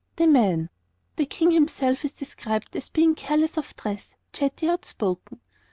}] The King himself is described as being careless of dress, chatty, outspoken.